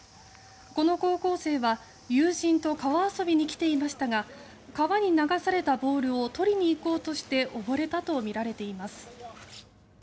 この高校生は友人と川遊びに来ていましたが川に流されたボールを取りにいこうとして溺れたとみられています。